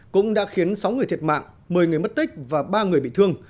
cũng đã khiến sáu người thiệt mạng một mươi người mất tích và ba người bị thương